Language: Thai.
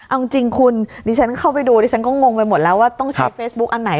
เอาจริงคุณดิฉันเข้าไปดูดิฉันก็งงไปหมดแล้วว่าต้องใช้เฟซบุ๊คอันไหน